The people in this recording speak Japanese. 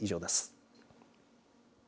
以上です。